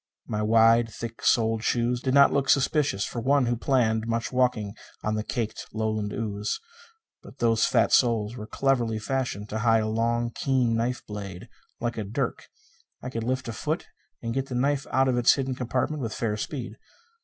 My wide, thick soled shoes did not look suspicious for one who planned much walking on the caked Lowland ooze. But those fat soles were cleverly fashioned to hide a long, keen knife blade, like a dirk. I could lift a foot and get the knife out of its hidden compartment with fair speed.